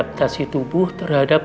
proses adaptasi tubuh terhadap